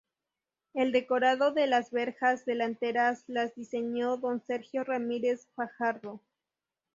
El decorado de las verjas delanteras las diseñó don Sergio Ramírez Fajardo.